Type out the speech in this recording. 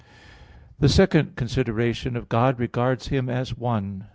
The second consideration of God regards Him as "one."